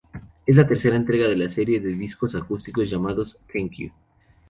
Es la tercera entrega de la serie de discos acústicos llamados "Thank You".